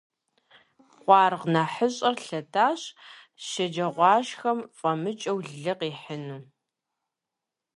Къуаргъ нэхъыщӀэр лъэтащ, шэджагъуашхэм фӀэмыкӀыу лы къихьыну.